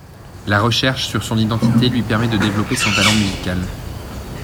La recherche sur son identité lui permet de développer son talent musical.